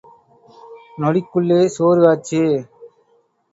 நொடிக்குள்ளே சோறு ஆச்சு.